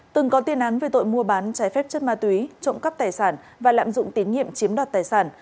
từng có tiên án về tội mua bán trái phép chất ma túy trộm cắp tài sản và lạm dụng tín nhiệm chiếm đoạt tài sản